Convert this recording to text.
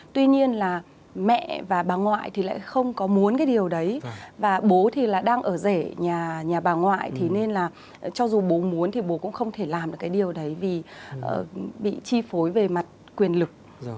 tuy nhiên là mẹ và bà ngoại thì lại không có muốn cái điều đấy và bố thì là đang ở rể nhà bà ngoại thì nên là cho dù bố muốn thì bố cũng không thể làm được cái điều đấy vì bị chi phối về mặt quyền lực